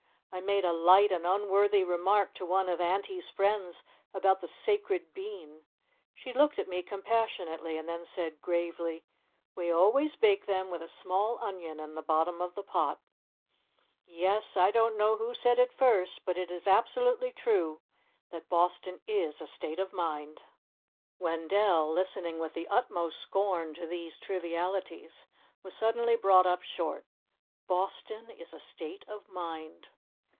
"I made a light and unworthy remark to one of Auntie's friends about the sacred bean. She looked at me compassionately and then said gravely, 'We always bake them with a small onion in the bottom of the pot.' Yes, I don't know who said it first, but it is absolutely true that Boston is a state of mind." Wendell, listening with the utmost scorn to these trivialities, was suddenly brought up short. _Boston is a state of mind.